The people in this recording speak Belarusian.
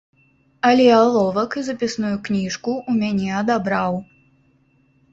Але аловак і запісную кніжку ў мяне адабраў.